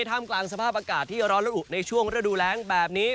ท่ามกลางสภาพอากาศที่ร้อนและอุในช่วงฤดูแรงแบบนี้